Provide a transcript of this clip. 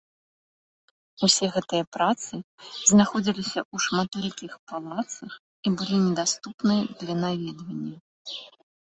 Усе гэтыя працы знаходзіліся ў шматлікіх палацах і былі недаступныя для наведвання.